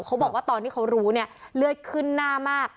เขาบอกว่าตอนที่เขารู้เนี่ยเลือดขึ้นหน้ามาก